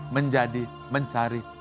menjadi mencari ridho manusia